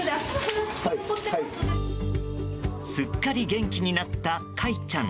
すっかり元気になった海ちゃん。